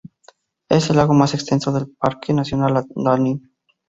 Es el lago más extenso del Parque Nacional Lanín.